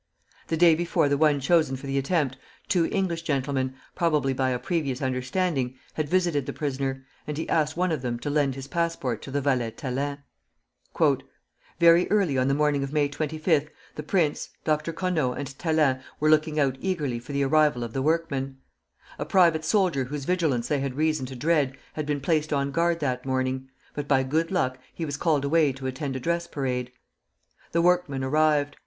The day before the one chosen for the attempt, two English gentlemen, probably by a previous understanding, had visited the prisoner, and he asked one of them to lend his passport to the valet Thélin. "Very early on the morning of May 25th, the prince, Dr. Conneau, and Thélin were looking out eagerly for the arrival of the workmen. A private soldier whose vigilance they had reason to dread had been placed on guard that morning, but by good luck he was called away to attend a dress parade. "The workmen arrived.